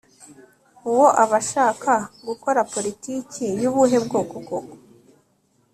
Uwo aba ashaka gukora politiki y'ubuhe bwoko koko?